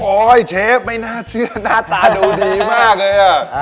เชฟไม่น่าเชื่อหน้าตาดูดีมากเลยอ่ะ